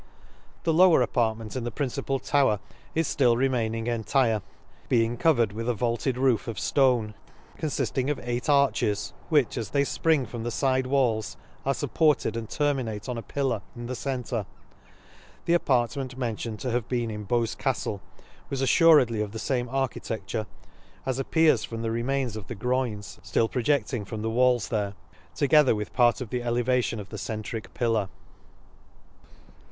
The lower apartment in the principal tower is ftill remaining entire ; being covered with a vaulted roof of flone ; confiding of eight arches, which as they fpring from the fide walls, are fupported and terminate on a pillar, in the centre. — The apartment mentioned to have been in Bowes Caftle, was affuredly of the fame architecture ; as appears from the remains of the groins, ftill proje<5ttng from the /^ Lakes. 4g the walls there, together with part ot the elevation of the centric pillar *.